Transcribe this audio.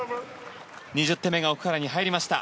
２０点目が奥原に入りました。